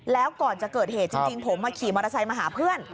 แล้วก่อนจะเกิดเหตุจริงผมขี่มอเตอร์ไซค์มาหาเพื่อน